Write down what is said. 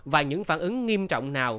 và những phản ứng nghiêm trọng nào